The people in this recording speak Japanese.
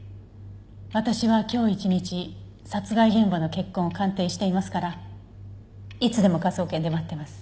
私は今日一日殺害現場の血痕を鑑定していますからいつでも科捜研で待ってます。